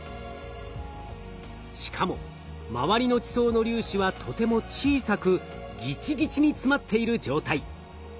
しかも周りの地層の粒子はとても小さくギチギチに詰まっている状態。